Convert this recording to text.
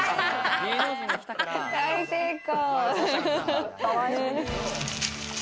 大成功！